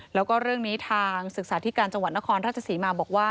แล้วก็เรื่องนี้ทางศึกษาธิการจังหวัดนครราชศรีมาบอกว่า